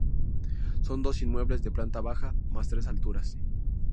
Son dos inmuebles de planta baja más tres alturas.